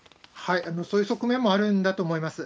そういう側面もあるんだと思います。